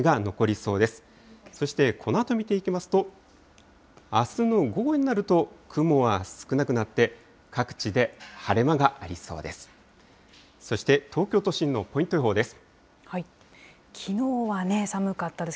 そしてこのあと見ていきますと、あすの午後になると、雲は少なくなって、各地で晴れ間がありそうです。